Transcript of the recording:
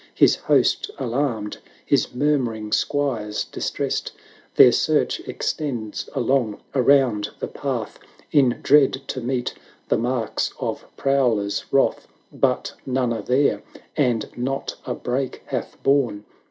His host alarmed, his murmuring squires distressed : Their search extends along, around the path, ■ In dread to meet the marks of prowlers' wrath: But none are there, and not a brake hath borne Canto ii.